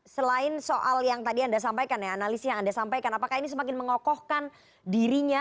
selain soal yang tadi anda sampaikan ya analisis yang anda sampaikan apakah ini semakin mengokohkan dirinya